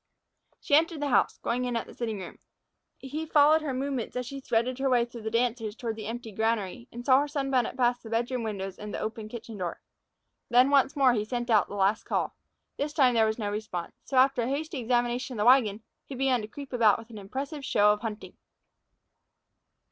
She entered the house, going in at the sitting room. He followed her movements as she threaded her way through the dancers toward the empty granary, and saw her sunbonnet pass the bedroom window and the open kitchen door. Then once more he sent out the last call. This time there was no response. So, after a hasty examination of the wagon, he began to creep about with an impressive show of hunting.